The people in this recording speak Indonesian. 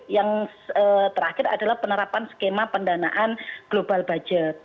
yang terakhir adalah penerapan skema pendanaan global budget